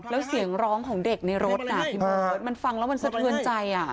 แล้วเสียงร้องของเด็กในรถมันฟังแล้วมันสะเทือนใจ